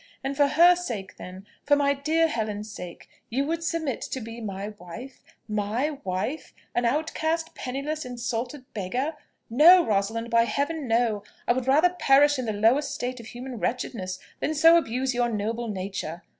And for her sake, then for my dear Helen's sake, you would submit to be my wife my wife! an outcast, penniless, insulted beggar! No, Rosalind; by Heaven, no! I would rather perish in the lowest state of human wretchedness than so abuse your noble nature.